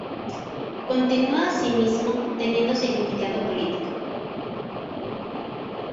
Continúa así mismo teniendo significado político.